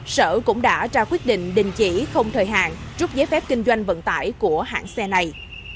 sở cũng đã ra quyết định đình chỉ không thời hạn trúc giấy phép kinh doanh vận tải của hãng xe này